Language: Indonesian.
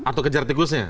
atau kejar tikusnya